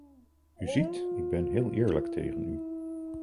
U ziet, ik ben heel eerlijk tegen u.